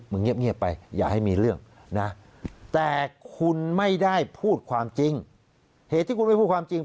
เงียบไปอย่าให้มีเรื่องนะแต่คุณไม่ได้พูดความจริงเหตุที่คุณไม่พูดความจริง